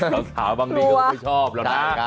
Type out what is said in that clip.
สาวสาวบางทีก็ไม่ชอบแล้วนะ